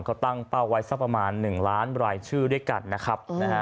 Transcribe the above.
เขาตั้งเป้าไว้สักประมาณ๑ล้านรายชื่อด้วยกันนะครับ